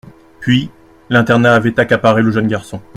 Puis, l'internat avait accaparé le jeune garçon.